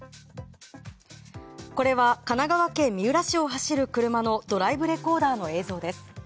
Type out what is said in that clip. これは神奈川県三浦市を走る車のドライブレコーダーの映像です。